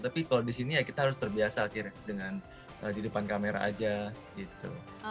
tapi kalau di sini ya kita harus terbiasa akhirnya dengan di depan kamera aja gitu